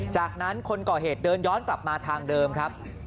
จากนั้นคนก่อเหตุเดินย้อนกลับมาทางเดิมครับ